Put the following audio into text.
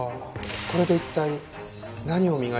これで一体何を磨いていたんですか？